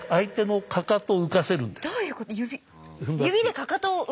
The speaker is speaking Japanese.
どういうこと？